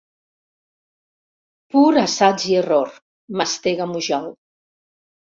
Pur assaig i error —mastega Mujal.